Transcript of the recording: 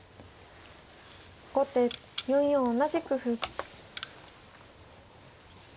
後手４四同じく歩。